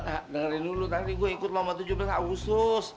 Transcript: nah dengerin dulu tadi gua ikut lama tujuh belas agustus